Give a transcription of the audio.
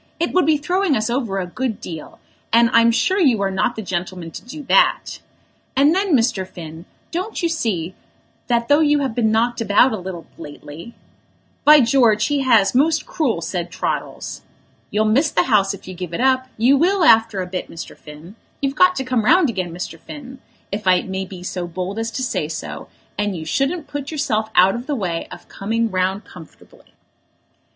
"It would be throwing us over a good deal, and I'm sure you are not the gentleman to do that. And then, Mr. Finn, don't you see that though you have been knocked about a little lately " "By George, he has, most cruel," said Troddles. "You'll miss the House if you give it up; you will, after a bit, Mr. Finn. You've got to come round again, Mr. Finn, if I may be so bold as to say so, and you shouldn't put yourself out of the way of coming round comfortably."